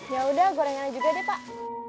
yaudah gorengan juga deh pak